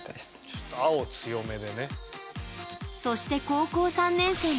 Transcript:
ちょっと青強めでね。